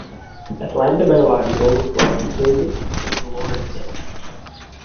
Atlanta Biologicals is located in Lawrenceville.